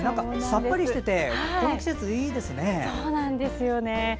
さっぱりしててこの季節いいですね。